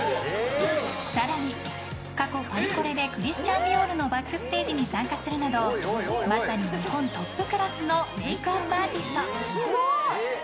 更に過去、パリコレでクリスチャン・ディオールのバックステージに参加するなどまさに日本トップクラスのメイクアップアーティスト！